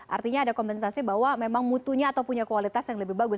artinya ada kompensasi bahwa memang mutunya atau punya kualitas yang lebih bagus